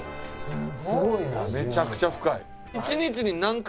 すごいな。